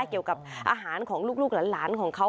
เกี่ยวกับอาหารของลูกหลานของเขา